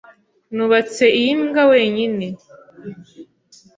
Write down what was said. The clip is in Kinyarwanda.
Nubatse iyi mbwa wenyine.